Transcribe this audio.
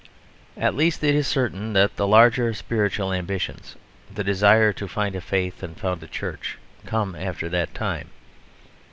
At least it is certain that the larger spiritual ambitions, the desire to find a faith and found a church, come after that time.